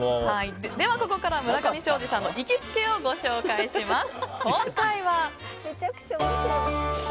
ここから村上ショージさんの行きつけをご紹介します。